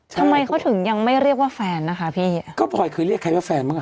ทำไมเขาถึงยังไม่เรียกว่าแฟนนะคะพี่ก็พลอยเคยเรียกใครว่าแฟนบ้างอ่ะ